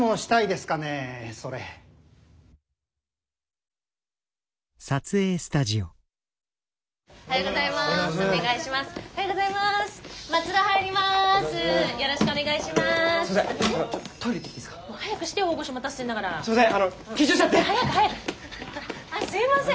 すいません